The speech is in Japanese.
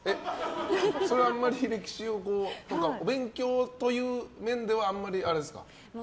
それはあんまり歴史とかお勉強という面ではあまり、あれですか？